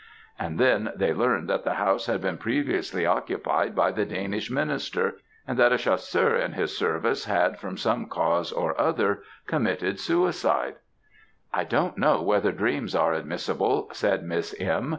And then they learned that the house had been previously occupied by the Danish minister, and that a Chasseur in his service had, from some cause or other, committed suicide." "I don't know whether dreams are admissible," said Miss M.